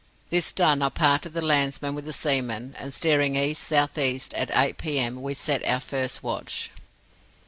This done, I parted the landsmen with the seamen, and, steering east south east, at eight p.m. we set our first watch.